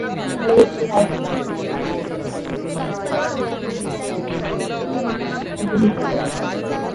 পরবর্তীতে ভারতে ফিরে আসার পর তিনি কলকাতা বিশ্ববিদ্যালয়ের যোগদান করেন এবং শিক্ষক প্রশিক্ষণ বিভাগে ভূগোল বিষয়কে অন্তর্ভুক্ত করেন।